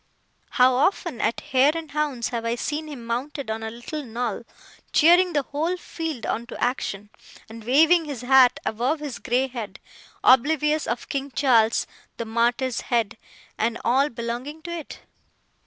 How often, at hare and hounds, have I seen him mounted on a little knoll, cheering the whole field on to action, and waving his hat above his grey head, oblivious of King Charles the Martyr's head, and all belonging to it!